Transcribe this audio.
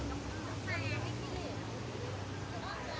และสุดท้าย